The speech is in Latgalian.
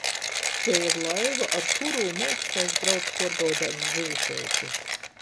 Tei ir laiva, ar kurū Meikstais brauc puorbaudeit zyvu teiklu.